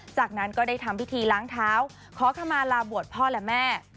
จากนั้นก็ได้ทำพิธีล้างเท้าขอขมาลาบวชพ่อและแม่